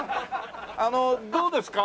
あのどうですか？